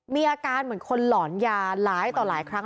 มีอาการเหมือนคนหลอนยาหลายต่อหลายครั้ง